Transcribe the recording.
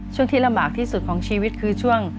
ที่ลำบากที่สุดของชีวิตคือช่วง